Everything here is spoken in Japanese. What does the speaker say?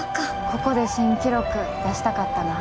ここで新記録出したかったな。